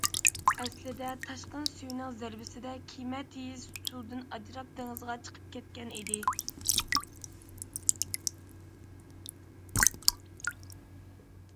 ئەسلىدە تاشقىن سۈيىنىڭ زەربىسىدە كېمە تېيىز سۇدىن ئاجراپ دېڭىزغا چىقىپ كەتكەن ئىدى.